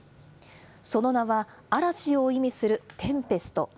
その名は、嵐を意味するテンペスト。